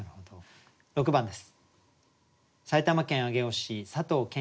６番です。